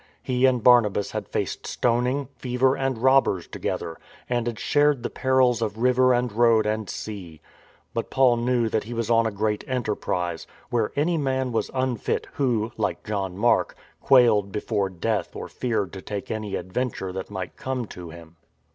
He and Barnabas had faced stoning, fever and robbers together; and had shared the perils of river and road and sea. But Paul knew that he was on a great enterprise, where any man was unfit who (like John Mark) quailed before death or feared to take any adventure that might come to him.